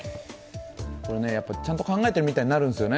これ、ちゃんと考えてるみたいになるんですよね。